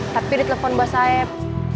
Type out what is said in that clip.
tapi ditelpon bos saeb